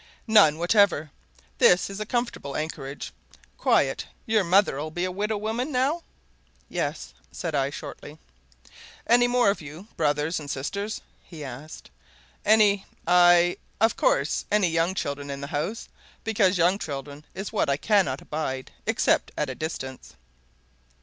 "None whatever. This is a comfortable anchorage. Quiet. Your mother'll be a widow woman, now?" "Yes," said I shortly. "Any more of you brothers and sisters?" he asked. "Any aye, of course! any young children in the house? Because young children is what I cannot abide except at a distance."